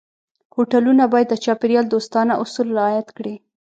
هوټلونه باید د چاپېریال دوستانه اصول رعایت کړي.